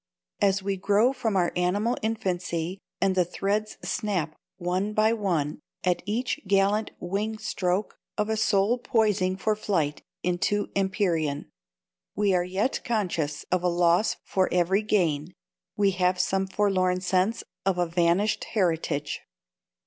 As we grow from our animal infancy, and the threads snap one by one at each gallant wing stroke of a soul poising for flight into Empyrean, we are yet conscious of a loss for every gain, we have some forlorn sense of a vanished heritage.